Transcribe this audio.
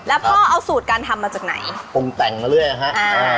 แล้วพ่อเอาสูตรการทำมาจากไหนปรุงแต่งมาเรื่อยนะฮะอ่า